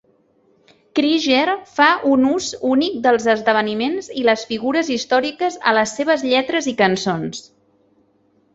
Creager fa un ús únic dels esdeveniments i les figures històriques a les seves lletres i cançons.